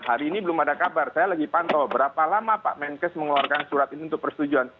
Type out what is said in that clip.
hari ini belum ada kabar saya lagi pantau berapa lama pak menkes mengeluarkan surat ini untuk persetujuan